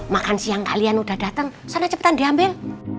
makan siang kalian udah dateng sana cepetan diambil